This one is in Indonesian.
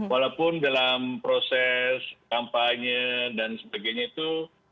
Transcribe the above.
walaupun dalam proses kampanye dan sebagainya itu